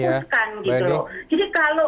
memahami persoalannya saja tidak paham